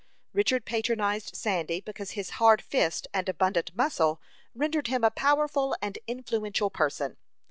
Richard patronized Sandy because his hard fist and abundant muscle rendered him a powerful and influential person.